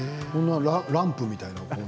ランプみたいな。